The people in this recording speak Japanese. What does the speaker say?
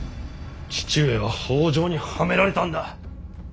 父上は北条にはめられたんだ。